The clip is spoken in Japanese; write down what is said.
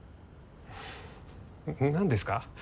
何ですか？